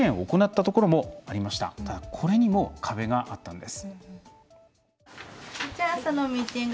ただ、これにも壁があったんです。